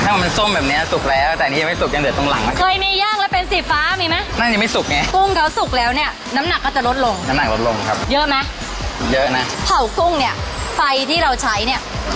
ถ้ามันส้มแบบเนี้ยสุกแล้วแต่อันนี้ยังไม่สุกยังเดือดตรงหลังไหมเคยมีย่างแล้วเป็นสีฟ้ามีไหมนั่นยังไม่สุกไงกุ้งเขาสุกแล้วเนี่ยน้ำหนักก็จะลดลงน้ำหนักลดลงครับเยอะไหมเยอะนะเผากุ้งเนี่ยไฟที่เราใช้เนี่ย